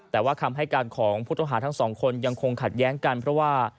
แต่ว่าคำให้การของผู้ต้องหาทั้งสองคนยังคงขัดแย้งกันเพราะว่า